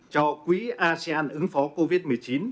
cho quý asean ứng phó covid một mươi chín